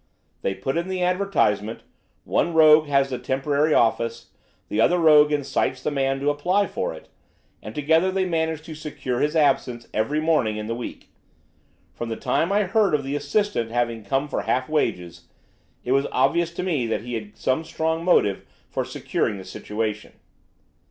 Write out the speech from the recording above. They put in the advertisement, one rogue has the temporary office, the other rogue incites the man to apply for it, and together they manage to secure his absence every morning in the week. From the time that I heard of the assistant having come for half wages, it was obvious to me that he had some strong motive for securing the situation."